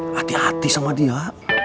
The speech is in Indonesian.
hati hati sama dia